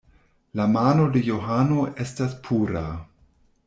La mano de Johano estas pura.